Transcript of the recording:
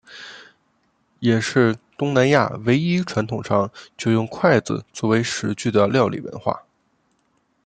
也是东南亚唯一传统上就用筷子作为食具的料理文化。